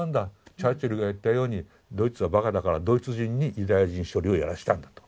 チャーチルが言ったようにドイツはバカだからドイツ人にユダヤ人処理をやらせたんだと。